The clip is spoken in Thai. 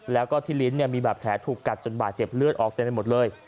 แล้วก็ที่ลิ้นมีบาดแผลถูกกัดจนบาดเจ็บเลือดออกเต็มไปหมดเลย